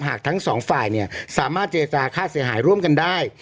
หากทั้งสองฝ่ายเนี่ยสามารถเจรจาค่าเสียหายร่วมกันได้